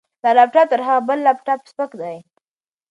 دا لپټاپ تر هغه بل لپټاپ سپک دی.